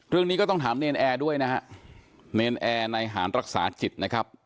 เรื่องนี้ก็ต้องถามเนรนแอร์ด้วยนะฮะเนรนแอร์ในหารรักษาจิตนะครับ